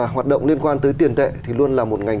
hoạt động liên quan tới tiền tệ thì luôn là một ngành